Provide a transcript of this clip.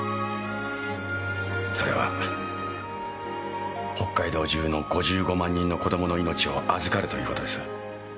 それは北海道中の５５万人の子供の命を預かるということです。